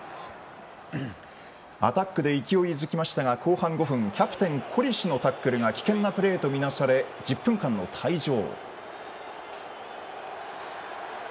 アタックで勢いづきましたが後半５分キャプテン、コリシのタックルが危険なプレーとみなされ１０分間の退場。